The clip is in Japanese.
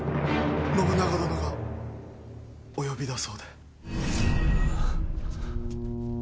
信長殿がお呼びだそうで。